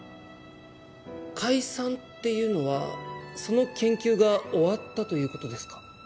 解散っていうのはその研究が終わったということですか。